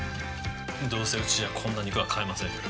どうせうちじゃこんな肉は買えませんけど。